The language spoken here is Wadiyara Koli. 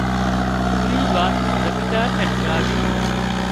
پُورِي وات زمينۮار نين همڀۯاوي